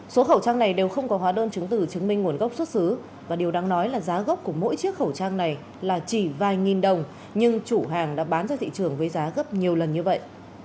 số khẩu trang này đều không có hóa đơn chứng tử chứng minh nguồn gốc xuất xứ và điều đáng nói là giá gốc của mỗi chiếc khẩu trang này là chỉ vài nghìn đồng nhưng chủ hàng đã bán ra thị trường với giá gấp nhiều lần như vậy